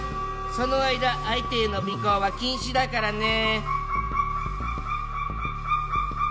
その間相手への尾行は禁止だからね。